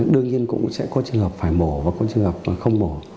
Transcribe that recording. đương nhiên cũng sẽ có trường hợp phải mổ và có trường hợp không bổ